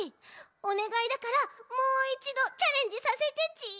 おねがいだからもう１どチャレンジさせてち。